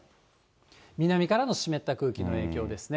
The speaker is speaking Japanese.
南からの湿った空気の影響ですね。